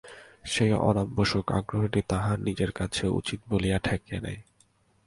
সেই অনাবশ্যক আগ্রহটা তাহার নিজের কাছে উচিত বলিয়া ঠেকে নাই।